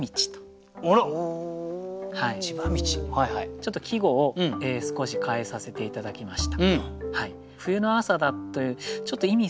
ちょっと季語を少し変えさせて頂きました。